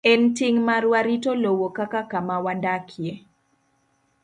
En ting' marwa rito lowo kaka kama wadakie.